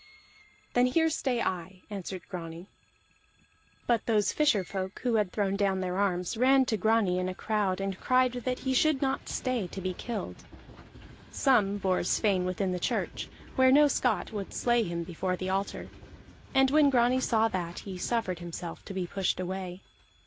"Then here stay I," answered Grani. But those fisher folk who had thrown down their arms ran to Grani in a crowd, and cried that he should not stay to be killed. Some bore Sweyn within the church, where no Scot would slay him before the altar; and when Grani saw that, he suffered himself to be pushed away.